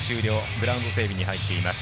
グラウンド整備に入っています。